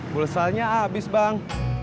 bolesalnya abis bang